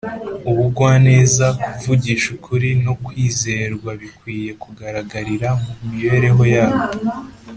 ‘Ubugwaneza, kuvugisha ukuri, no kwizerwa bikwiye kugaragarira mu mibereho yabo